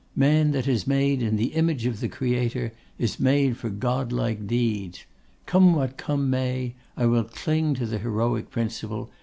Man that is made in the image of the Creator, is made for God like deeds. Come what come may, I will cling to the heroic principle.